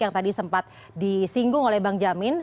yang tadi sempat disinggung oleh bang jamin